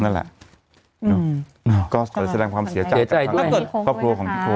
นั่นแหละก็แสดงความเสียใจกับครอบครัวของพวก